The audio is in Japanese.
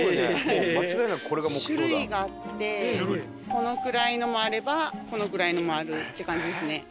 このくらいのもあればこのぐらいのもあるっていう感じですね。